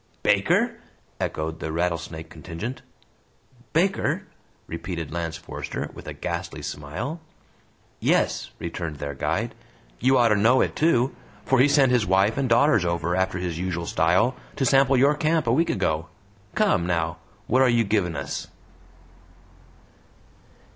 "Baker?" echoed the Rattlesnake contingent. "Baker?" repeated Lance Forester, with a ghastly smile. "Yes," returned their guide. "You oughter know it too! For he sent his wife and daughters over, after his usual style, to sample your camp, a week ago! Come, now, what are you givin' us?"